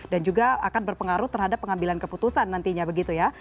dan juga akan berpengaruh terhadap pengambilan keputusan nantinya begitu ya